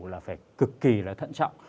là phải cực kỳ là thận trọng